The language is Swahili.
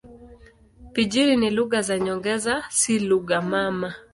Pijini ni lugha za nyongeza, si lugha mama.